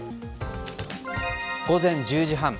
午前１０時半。